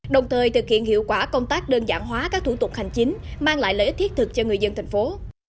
đồng thời thực hiện hiệu quả công tác đơn giản hóa các thủ tục hành chính mang lại lợi ích thiết thực cho người dân thành phố